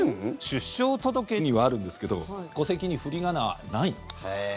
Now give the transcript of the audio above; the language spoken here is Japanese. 出生届にはあるんですけど戸籍に振り仮名はない。